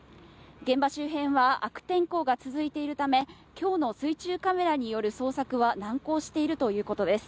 現場周辺は悪天候が続いているため、今日の水中カメラによる捜索は難航しているということです。